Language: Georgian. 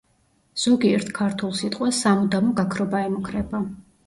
ზოგიერთ ქართულ სიტყვას სამუდამო გაქრობა ემუქრება.